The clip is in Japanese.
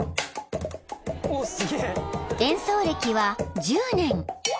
［演奏歴は１０年］